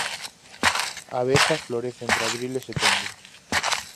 A veza florece entre abril e setembro.